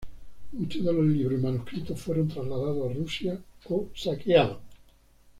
Muchos de los libros y manuscritos fueron trasladados a Rusia o saqueados.